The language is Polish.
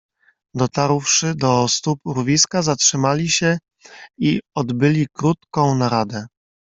"Dotarłszy do stóp urwiska zatrzymali się i odbyli krótką naradę."